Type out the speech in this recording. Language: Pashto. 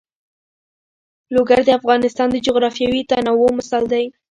لوگر د افغانستان د جغرافیوي تنوع مثال دی.